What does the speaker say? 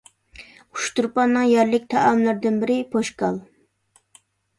ئۇچتۇرپاننىڭ يەرلىك تائاملىرىدىن بىرى پوشكال.